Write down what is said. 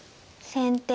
先手